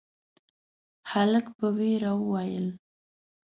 هلک په وېره وويل: